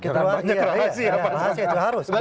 rahasia itu harus